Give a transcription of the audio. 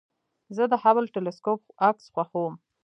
زه د هبل ټېلسکوپ عکس خوښوم.